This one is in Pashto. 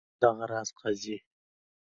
دغه راز قاضي.